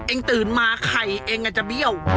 ตื่นมาไข่เองอาจจะเบี้ยว